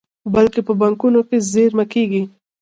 بلکې په بانکونو کې زېرمه کیږي.